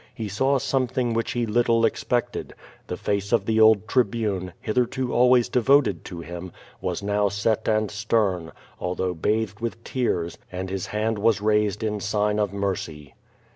He saw something which he little expected. The face of the old Tribune, hitherto always devoted to him, was now set and stern, although bathed with tears, and his hand was raised in sign of mercy.